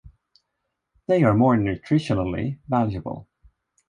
They are more nutritionally valuable.